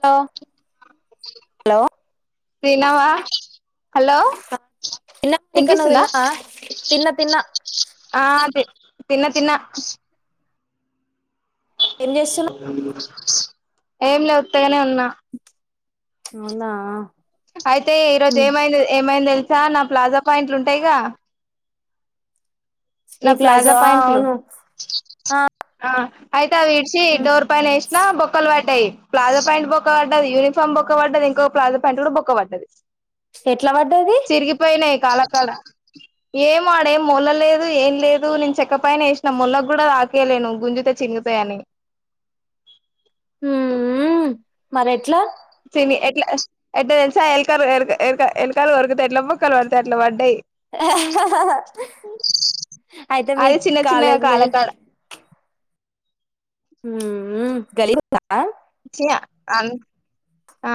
Hello. Hello తిన్నవా. Hello తిన్నా మౌనిక నువ్వు ఇనిపిస్తుందా? తిన్నావా తిన్న తిన్నా ఆ తి తిన్న తిన్న. ఏం చేస్తున్నావ్ ఏం లే ఉత్తగనే ఉన్నా. అవునా అయితే ఈరోజు ఏమైంది, ఏమైంది తెలుసా! నా ప్లాజా ప్యాంట్లు ఉంటాయిగా, శ్రీ నా ప్లాజా ప్యాంట్లు అవును ఆ ఆ అయితే, అవి ఇడిచి డోర్ పైన ఏసినా బొక్కలు పడ్డాయి. ప్లాజా ప్యాంట్ బొక్క పడ్డది, యూనిఫామ్ బొక్క పడ్డది. ఇంకొ ప్లాజా ప్యాంటు కూడా బొక్క పడ్దది. ఎట్ల పడ్డది? కాళ్ల కాడ ఏమో ఆడేం మొలలేదు. ఏం లేదు. నేను చెక్కపైన ఏసినా. మొల్లకు కూడా తాకీయలేను. గుంజుతే చినుగుతాయని మ్. మరి ఎట్లా ఎట్లా, ఎట్ల తెలుసా, ఎల్కారు ఎరక ఎరక ఎలుకలు కొరుకుతే ఎట్ల బొక్కలు పడతాయి, అట్ల పడ్డాయి. ఆ అయితే అది మీక్ చిన్న చిన్నగా కాలేజీ లే కాలకాడ మ్ ఉ గలీ ఉందా? చే అన్ ఆ,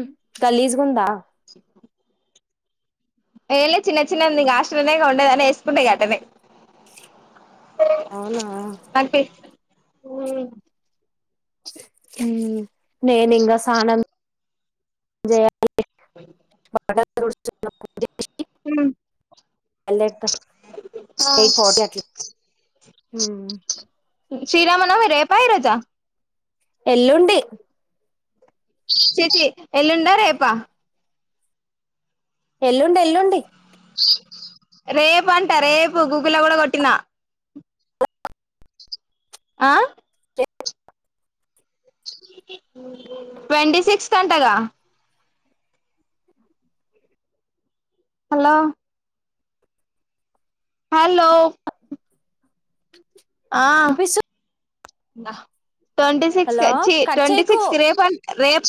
మ్ గలీజుగుందా? ఏం లే చిన్న చిన్న ఉందిగా ఆస్ట్లోనేగ ఉండేదని యేసుకుండే ఇంగ అతన్నే. అవునా మ్ మ్ నేనింగ సానం చేయాలి [unintelligible] మ్ అందరితో ఈ ఫో టకి మ్ శ్రీరామ నవమి రేపా ఈ రోజా? ఎల్లుండి చి చి ఎల్లుండా రేపా? ఎల్లుండి. ఎల్లుండి. రేపంట రేపు. గూగుల్లో కూడ కొట్టిన. ఆ చె ట్వంటీ సిక్స్త్ అంటగా! హల్లో హల్లో ఆ పిలుసు ట్వంటీ సిక్స్ హలో కి, చ్చి, కట్ ట్వంటీ చేయకు సిక్స్ కి రేపు అన్ రేపు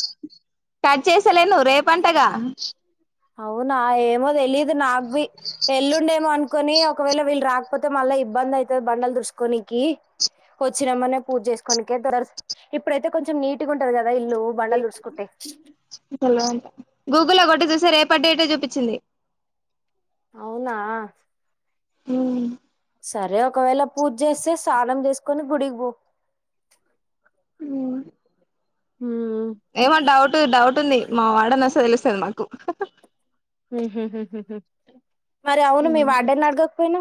కట్ చేస్తలేను. రేపు పంటగా అవునా ఏమో తెలీదు నాక్వి. ఎల్లుండేమో, అనుకొని ఒకవేళ వీళ్ రాక్ కాకపోతే మళ్ళ ఇబ్బందయితది. బండలు తుడుచుకోనికి. వచ్చినమ్మనే పూజ చేసుకునికె దురర్. ఇప్పుడైతే, కొంచెం నీటుగుంటది క ద ఇల్లు బండలు తుడ్సుకుంటే. గూగుల్లో కొట్టి చూస్తే రేపటి డేటే చూపిచ్చింది. అవునా మ్ సరే ఒకవేళ పూజ చేస్తే, స్నానం చేసుకొని గుడికి పో. ఉమ్ ఏమో డౌటు. డౌట్ ఉంది మా వాడనొస్తే తెలుస్తది మాకు. మ్ హు హు హు హు. మరి అవును మీ వార్డన్ ని అడగకపోయినా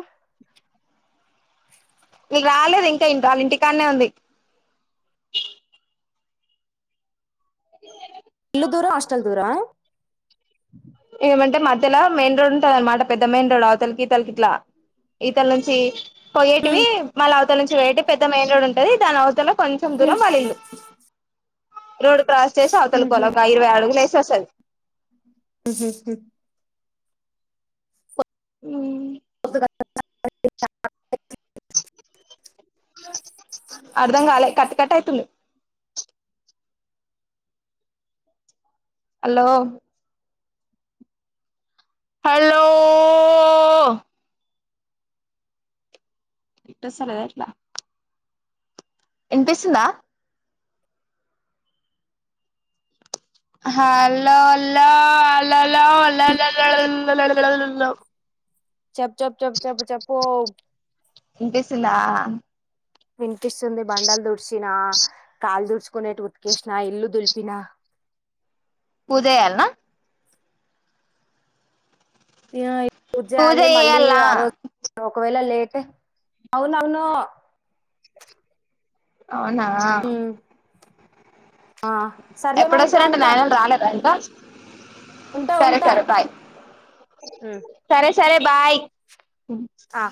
మీకు రాలేదు ఇంకా ఇంత ఆళ్ ఇంటికాన్నే ఉంది. ఇల్లు దూరం హాస్టల్ దూరమా ఏమంటే మధ్యలో మెయిన్ రోడ్ ఉంటాదనమాట, పెద్ద మెయిన్ రోడ్. అవతలికి ఇవతలకి ఇట్ల. ఇవతల నుంచి పోయేటివి మళ్ళ అవతల నుంచి పోయేటివి పెద్ద మెయిన్ రోడ్ ఉంటది. దాని అవతల కొంచెం దూరం వాళ్ళ ఇల్లు. రోడ్ క్రాస్ చేసి ఉహుహుహుహు. అవతలపోవాలి ఒక ఇరవై అడుగులు వేస్తే వస్తది ఉహు హు ఉమ్ [inaudible] అర్ధం కాలే కట్ కట్ అయితుంది హలో హాల్లో వినిపిస్సలేదా ఎట్ల వినిపిస్సుందా హల్లో అల్లో అల్లల్లో అల్లల్లో [unintelligible] లో చెప్ చెప్ చెప్ చెప్ చెప్పు వినిపిస్సుందా వినిపిస్తుంది బండలు దుడిచిన కాళ్లు దుడుచు కొనేటివి ఉత్కేషిన ఇల్లు దులిపిన పూజేయాల్న ఇగ పూజ్జేయాలి మళ్ళీ ఆ రోజు ఒకవేళ లేట్ అవునుఅవును అవునా ఆ సర్లే మౌనిక ఎప్పుడొస్తారంట ఉంటా నాయనలు రాలేదా ఇంకా ఉంటా సరే ఉంటా సరే బాయ్ సరే సరే బాయ్ ఆ